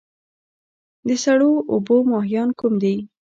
د سړو اوبو ماهیان کوم دي؟